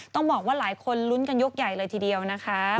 ต้องบอกว่าหลายคนลุ้นกันยกใหญ่เลยทีเดียวนะคะ